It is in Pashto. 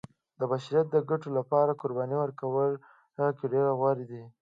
د بشریت د ګټو لپاره قربانۍ ورکولو کې غوره دی.